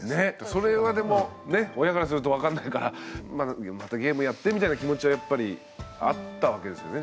それはでもね親からすると分かんないからまたゲームやってみたいな気持ちはやっぱりあったわけですよね